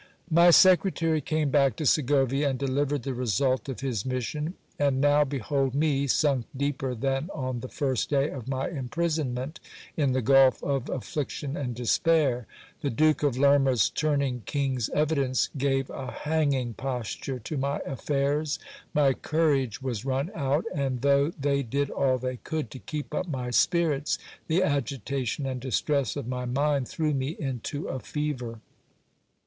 My secretary came back to Segovia and delivered the result of his mission. And now behold me, sunk deeper than on the first day of my imprisonment, in the gulf of affliction and despair ! The Duke of Lerma's turning king's evidence gave a hanging posture to my affairs. My courage was run out ; and though they did all they could to keep up my spirits, the agitation and distress of my mind threw me into a fever.